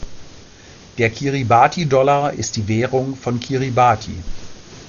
Der Kiribati-Dollar ist die Währung von Kiribati.